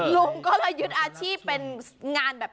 ลุงก็เลยยึดอาชีพเป็นงานแบบ